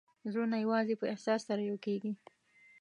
زړونه یوازې په احساس سره یو کېږي.